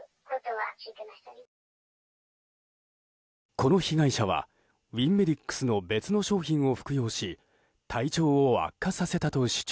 この被害者はウィンメディックスの別の商品を服用し体調を悪化させたと主張。